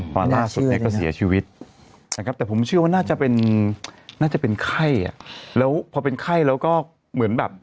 พอล่าสุดนี้ก็เสียชีวิตแต่ผมเชื่อว่าน่าจะเป็นไข้แล้วพอเป็นไข้เราก็เหมือนแบบ